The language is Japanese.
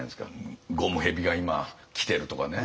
ゴムヘビが今きてるとかね。